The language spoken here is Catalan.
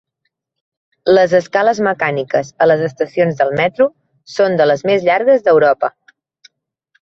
Les escales mecàniques a les estacions del metro són de les més llargues d'Europa.